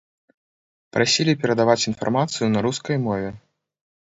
Прасілі перадаваць інфармацыю на рускай мове.